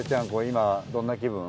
今どんな気分？